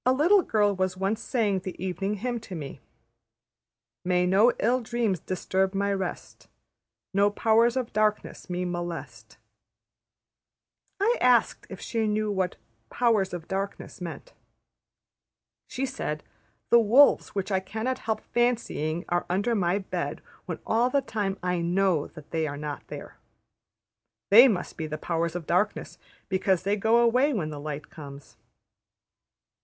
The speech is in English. A little girl was once saying the Evening Hymn to me, ``May no ill dreams disturb my rest, No powers of darkness me molest.'' I asked if she knew what \textit{Powers of Darkness} meant. She said, ``The wolves which I cannot help fancying are under my bed when all the time I know they are not there. They must be the Powers of Darkness, because they go away when the light comes.''